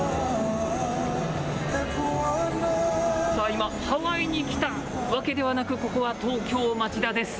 今、ハワイに来たわけではなくここは、東京町田です。